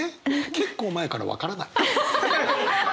結構前から分からない。